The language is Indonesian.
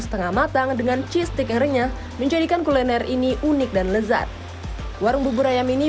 setengah matang dengan cistik renyah menjadikan kuliner ini unik dan lezat warung bubur ayam ini